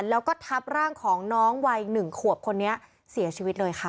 แล้วก็ทับร่างของน้องวัย๑ขวบคนนี้เสียชีวิตเลยค่ะ